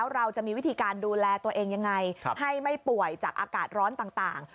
เราจะมีวิธีการดูแลตัวเองยังไงให้ไม่ป่วยจากอากาศร้อนต่าง